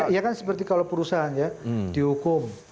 ya kan seperti kalau perusahaan ya dihukum